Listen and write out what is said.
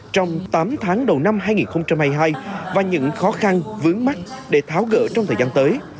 trong tám tháng đầu năm hai nghìn hai mươi hai và những khó khăn vướng mắt để tháo gỡ trong thời gian tới